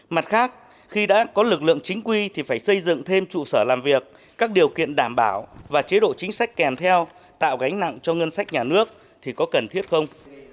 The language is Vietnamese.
mặt khác khi đã có lực lượng chính quy thì phải xây dựng thêm trụ sở làm việc các điều kiện đảm bảo và chế độ chính sách kèm theo tạo gánh nặng cho ngân sách nhà nước thì có cần thiết không